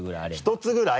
１つぐらい？